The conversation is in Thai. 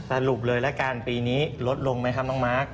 สรุปเลยละกันปีนี้ลดลงไหมครับน้องมาร์ค